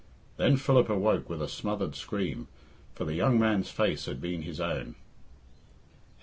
Then Philip awoke with a smothered scream, for the young man's face had been his own. IX.